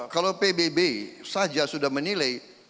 kalau pbb saja sudah menilai